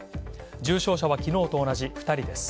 重症者は昨日と同じ２人です。